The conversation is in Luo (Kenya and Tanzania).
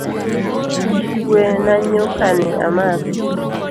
Kue na nyuka ni amadhi